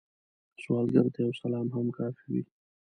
سوالګر ته یو سلام هم کافی وي